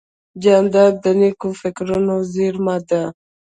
جانداد د نیکو فکرونو زېرمه ده.